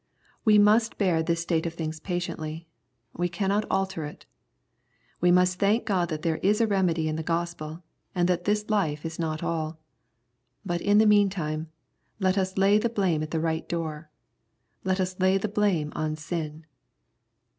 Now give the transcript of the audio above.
We must bear this state of things patiently. We cannot alter it. We may thank God that there is a remedy in the Gospel, and that this life is not alL But in the meantime, let us lay the blame at the right door. Let us lay the blame on sin.